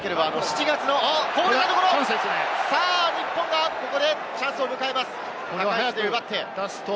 こぼれたところ、日本がここでチャンスを迎えます。